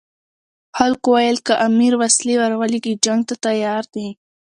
خلکو ویل که امیر وسلې ورولېږي جنګ ته تیار دي.